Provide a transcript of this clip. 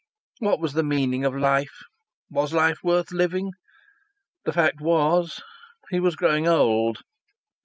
What was the meaning of life? Was life worth living? The fact was he was growing old.